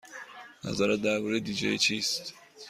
نظرت درباره دی جی چیست؟